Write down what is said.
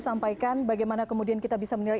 sampaikan bagaimana kemudian kita bisa menilai